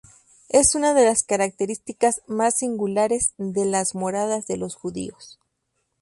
Es una de las características más singulares de las moradas de los judíos.